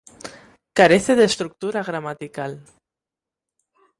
Carece de estructura argumental.